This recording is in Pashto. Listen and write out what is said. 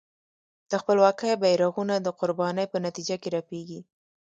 د خپلواکۍ بېرغونه د قربانۍ په نتیجه کې رپېږي.